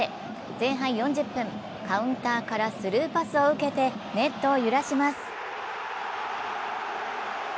前半４０分、カウンターからスルーパスを受けてネットを揺らします。